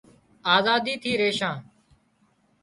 آزادي ٿي ريشان